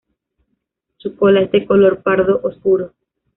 Su cola es de color pardo oscuro.